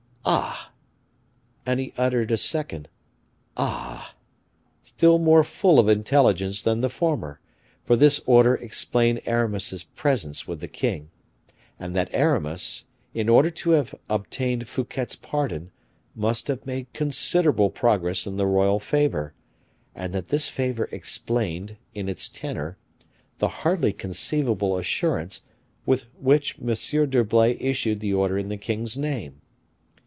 "Ah!" and he uttered a second "ah!" still more full of intelligence than the former; for this order explained Aramis's presence with the king, and that Aramis, in order to have obtained Fouquet's pardon, must have made considerable progress in the royal favor, and that this favor explained, in its tenor, the hardly conceivable assurance with which M. d'Herblay issued the order in the king's name.